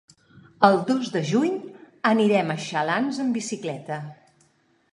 El dos de juny anirem a Xalans amb bicicleta.